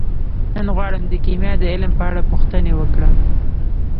نن غواړم د کیمیا د علم په اړه پوښتنې وکړم.